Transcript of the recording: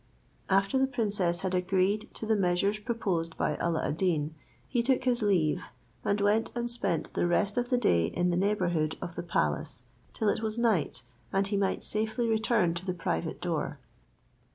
"After the princess had agreed to the measures proposed by Alla ad Deen, he took his leave, and went and spent the rest of the day in the neighbourhood of the palace till it was night, and he might safely return to the private door.